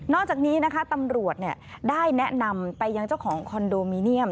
จากนี้นะคะตำรวจได้แนะนำไปยังเจ้าของคอนโดมิเนียม